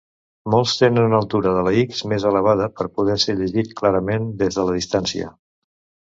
Molts tenen una altura de la x més elevada per poder ser llegit clarament des de la distància.